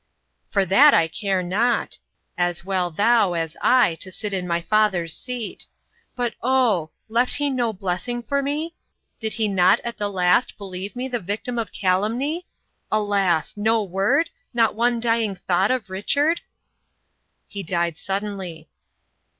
"For that I care not. As well thou, as I, to sit in my father's seat. But oh! left he no blessing for me? Did he not at the last believe me the victim of calumny? Alas! No word? Not one dying thought of Richard?" "He died suddenly."